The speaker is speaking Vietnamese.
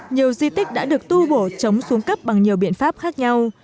nhiều di tích đã được tu bổ chống xuống cấp bằng nhiều biện pháp khác nhau